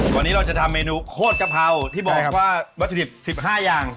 วันนี้เราจะทำเมนูโคตรกะเพราที่บอกว่าวัตถุดิบ๑๕อย่าง